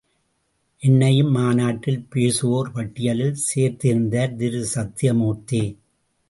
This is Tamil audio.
என்னையும் மாநாட்டில் பேசுவோர் பட்டியலில் சேர்த்திருந்தார் திரு சத்யமூர்த்தி.